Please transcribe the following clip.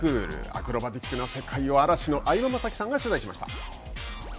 アクロバティックな世界を嵐の相葉雅紀さんが取材しました。